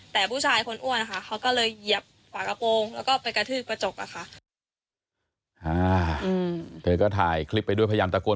เธอก็ถ่ายคลิปไปด้วยพยายามตะก้วน